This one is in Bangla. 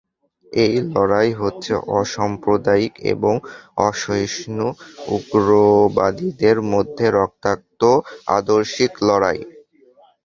এই লড়াই হচ্ছে অসাম্প্রদায়িক এবং অসহিষ্ণু উগ্রবাদীদের মধ্যে রক্তাক্ত আদর্শিক লড়াই।